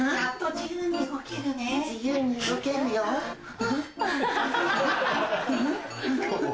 自由に動けるよ。ハハハ。